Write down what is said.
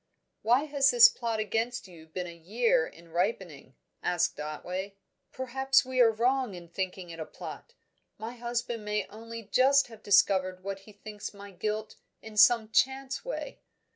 "Why has this plot against you been a year in ripening?" asked Otway. "Perhaps we are wrong in thinking it a plot. My husband may only just have discovered what he thinks my guilt in some chance way.